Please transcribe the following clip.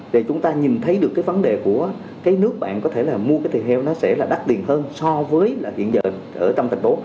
để chúng ta nhìn thấy được cái vấn đề của cái nước bạn có thể là mua cái thịt heo nó sẽ là đắt tiền hơn so với hiện giờ ở trong thành phố